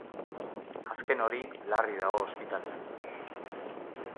Azken hori larri dago ospitalean.